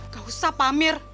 gak usah pak amir